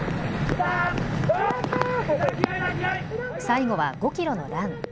最後は５キロのラン。